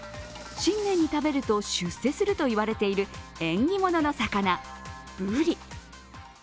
新年に食べると出世するといわれている縁起物の魚、ブリ。